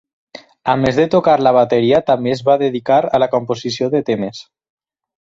A més de tocar la bateria també es va dedicar a la composició de temes.